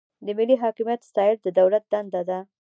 د ملي حاکمیت ساتل د دولت دنده ده.